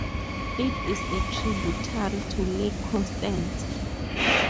It is a tributary to Lake Constance.